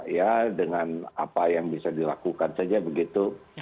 ya dengan apa yang bisa dilakukan saja begitu